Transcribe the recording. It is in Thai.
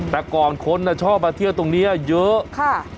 แต่ก่อนคนชอบมาเที่ยวตรงนี้เยอะค่ะ